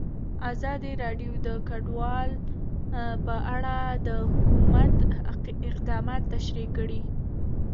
ازادي راډیو د کډوال په اړه د حکومت اقدامات تشریح کړي.